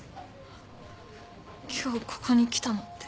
今日ここに来たのって。